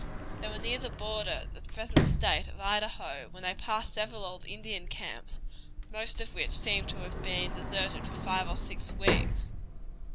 They were near the border of the present state of Idaho when they passed several old Indian camps, most of which seemed to have been deserted for five or six weeks.